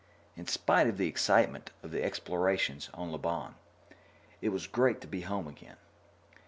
In spite of the excitement of the explorations on Lobon, it was great to be home again.